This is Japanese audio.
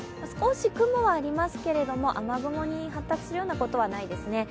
少し雲はありますけれども雨雲に発達するようなことはないです。